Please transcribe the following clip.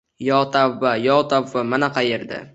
Yo tavba… yo tavba… Mana qaerda